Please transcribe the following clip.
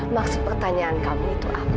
maksud pertanyaan kamu itu apa